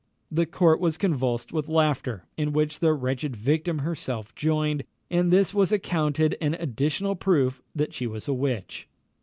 The court was convulsed with laughter, in which the wretched victim herself joined; and this was accounted an additional proof that she was a witch.